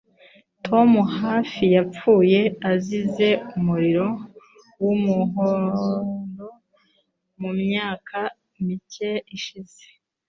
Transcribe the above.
Tom hafi yapfuye azize umuriro wumuhondo mumyaka mike ishize.